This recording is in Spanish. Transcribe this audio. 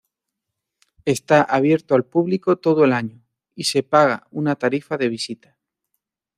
Está abierto al público todo el año y se paga una tarifa de visita.